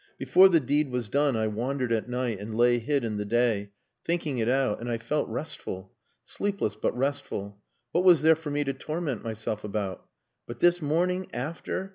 Before the deed was done I wandered at night and lay hid in the day, thinking it out, and I felt restful. Sleepless but restful. What was there for me to torment myself about? But this morning after!